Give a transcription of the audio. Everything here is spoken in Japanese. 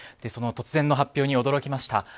その突然の発表に驚きました。